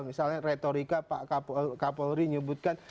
misalnya retorika pak kapolri nyebutkan